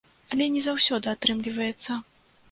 Але не заўсёды атрымліваецца.